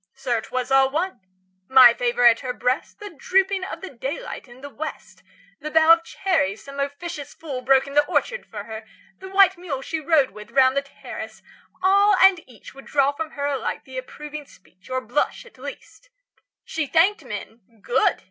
Sir, 'twas all one! My favour at her breast, The dropping of the daylight in the West, The bough of cherries some officious fool Broke in the orchard for her, the white mule She rode with round the terrace all and each Would draw from her alike the approving speech, 30 Or blush, at least. She thanked men, good!